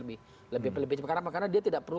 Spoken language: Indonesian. lebih cepat karena apa karena dia tidak perlu